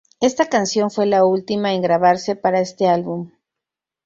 Esta canción fue la última en grabarse para este álbum.